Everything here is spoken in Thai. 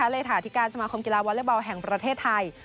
เลขาธิการสมาคมกีฬาวอเล็กบอลแห่งประเทศไทย